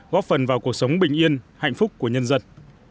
góp phần vào cuộc sống bình yên hạnh phúc của nhân dân